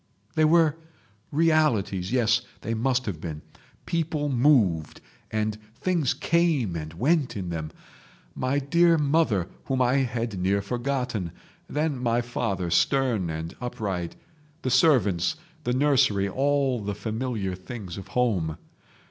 "They were realities—yes, they must have been; people moved and things came and went in them; my dear mother, whom I had near forgotten; then my father, stern and upright, the servants, the nursery, all the familiar things of home.